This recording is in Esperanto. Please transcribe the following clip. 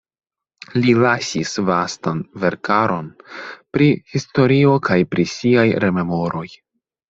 Li lasis vastan verkaron pri historio kaj pri siaj rememoroj.